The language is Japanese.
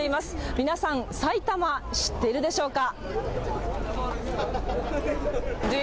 皆さん、埼玉知っているでしょうか。